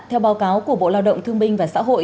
theo báo cáo của bộ lao động thương binh và xã hội